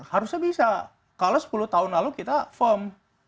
harusnya bisa kalau sepuluh tahun lalu kita firm